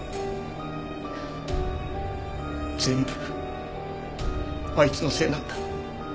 全部あいつのせいなんだ。